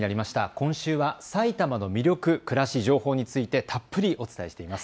今週は埼玉の魅力、暮らし、情報についてたっぷりお伝えしています。